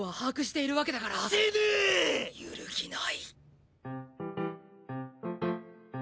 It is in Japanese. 揺るぎない。